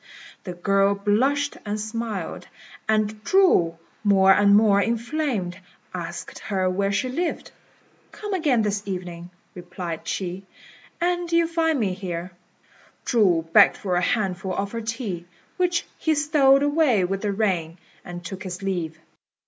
The girl blushed and smiled; and Chu, more and more inflamed, asked her where she lived. "Come again this evening," replied she, "and you'll find me here." Chu begged for a handful of her tea, which he stowed away with the ring, and took his leave.